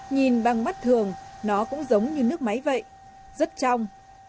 nhìn bằng mắt thường nó cũng giống như nước máy vậy rất trong